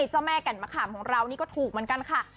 เจ้าแม่แก่นมะขามของเรานี่ก็ถูกเหมือนกันค่ะ